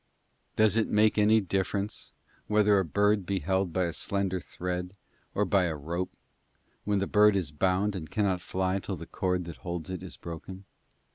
Does it make any difference whether a bird be held by a slender thread or by a rope, while the bird is bound and cannot fly till the cord that holds it is broken?